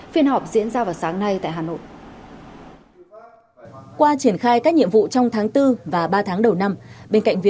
phiên họp diễn ra vào sáng nay tại hà nội